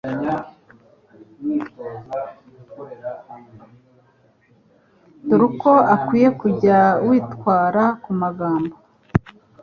Dore uko ukwiye kujya witwara ku magambo